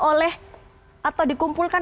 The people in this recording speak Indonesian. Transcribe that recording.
oleh atau dikumpulkan